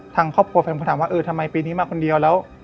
ทางครอบครัวแฟนผมก็ถามว่าเออทำไมปีนี้มาคนเดียวแล้ว